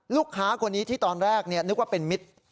ลูกค้าคนนี้ที่ตอนแรกนึกว่าเป็นมิตร